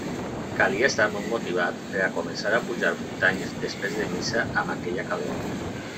Calia estar molt motivat per a començar a pujar muntanyes després de missa, amb aquella calor.